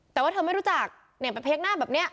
แต่ว่าเธอไม่รู้จักเนี่ยไปเทคหน้าแบบนี้